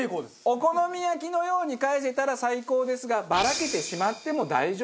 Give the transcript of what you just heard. お好み焼きのように返せたら最高ですがばらけてしまっても大丈夫ですと。